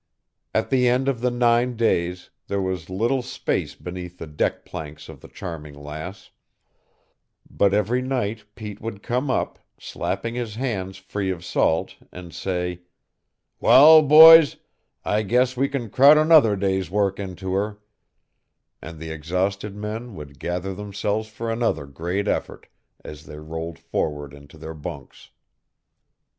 At the end of the nine days there was little space beneath the deck planks of the Charming Lass, but every night Pete would come up, slapping his hands free of salt, and say, "Wal, boys, I guess we can crowd another day's work into her," and the exhausted men would gather themselves for another great effort as they rolled forward into their bunks.